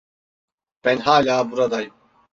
Ben hala buradayım.